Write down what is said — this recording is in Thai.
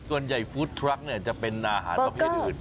ส่วนใหญ่ฟู้ดทรัคเนี่ยจะเป็นอาหารประเภทอื่น